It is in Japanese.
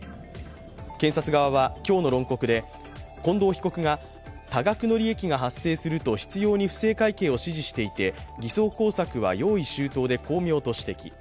検察側は今日の論告で近藤被告が多額の利益が発生すると執ように不正会計を指示していて偽装工作は用意周到で巧妙と指摘。